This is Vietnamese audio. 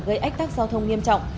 gây ách tắc giao thông nghiêm trọng